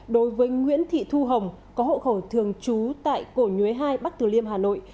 đối với nguyễn thị thu hồng có hộ khẩu thường trú tại cổ nhuế hai bắc tử liêm hà nội